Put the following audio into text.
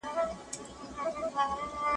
د اقليم بدلون څه اغېز درلود؟